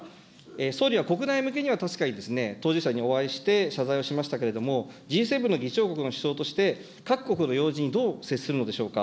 総理は国内向けには確かに当事者にお会いして、謝罪をしましたけれども、Ｇ７の議長国の首相として、各国の要人、どう接するのでしょうか。